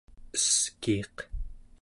eskiiq